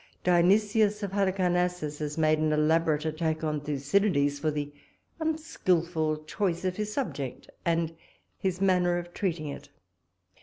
Dionysius of Harlicarnassus has made an elaborate attack on Thucydides for the unskilful choice of his subject, and his manner of treating it.